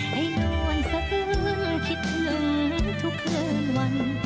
ให้นอนสะเนมคิดถึงทุกเครื่องวัน